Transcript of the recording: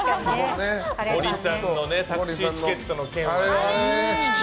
ゴリさんのタクシーチケットの件はね。